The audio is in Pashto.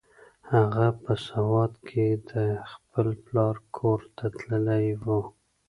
هغه په سوات کې د خپل پلار کور ته تللې وه.